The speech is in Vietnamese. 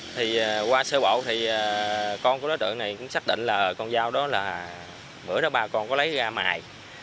thì qua sơ bộ thì con của đối tượng này cũng xác định là con dao đó là bữa đó ba con có lấy ra mài